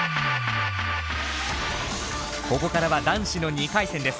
ここからは男子の２回戦です。